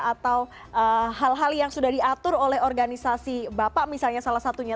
atau hal hal yang sudah diatur oleh organisasi bapak misalnya salah satunya